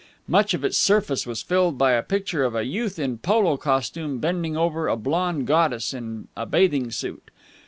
Much of its surface was filled by a picture of a youth in polo costume bending over a blonde goddess in a bathing suit.